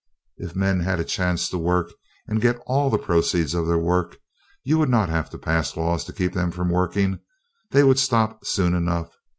If men had a chance to work and get all the proceeds of their work, you would not have to pass laws to keep them from working. They would stop soon enough.